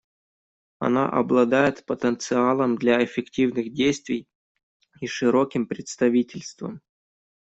Она обладает потенциалом для эффективных действий и широким представительством.